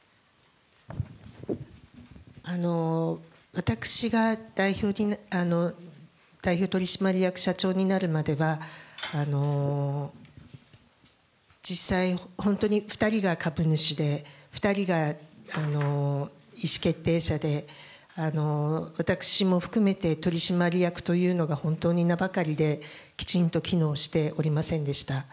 私が代表取締役社長になるまでは実際、本当に２人が株主で、２人が意識決定者で、私も含めて取締役というのが本当に名ばかりできちんと機能しておりませんでした。